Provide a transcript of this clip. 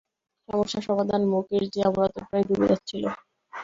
সমস্যা সমাধান, মুকেশ জি, আমরা তো প্রায় ডুবে যাচ্ছিলাম।